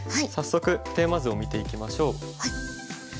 早速テーマ図を見ていきましょう。